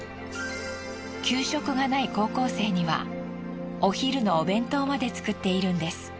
給食がない高校生にはお昼のお弁当まで作っているんです。